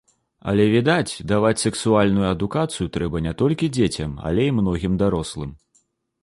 Але відаць, даваць сэксуальную адукацыю трэба не толькі дзецям, але і многім дарослым.